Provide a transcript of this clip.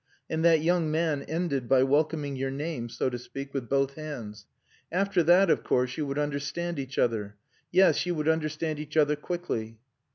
And that young man ended by welcoming your name, so to speak, with both hands. After that, of course, you would understand each other. Yes, you would understand each other quickly."